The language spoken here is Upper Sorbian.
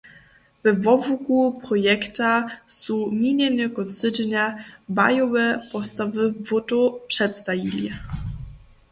We wobłuku projekta su minjeny kónc tydźenja bajowe postawy Błótow předstajili.